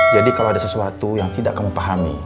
jadi kalau ada sesuatu yang tidak kamu pahami